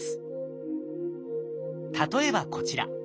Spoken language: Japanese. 例えばこちら。